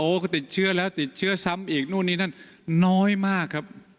ก็ติดเชื้อแล้วติดเชื้อซ้ำอีกนู่นนี่นั่นน้อยมากครับ